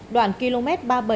đoạn km ba mươi bảy năm mươi năm